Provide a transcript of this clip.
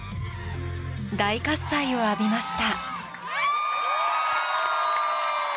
大喝采を浴びました。